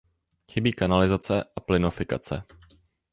Chybí kanalizace a plynofikace.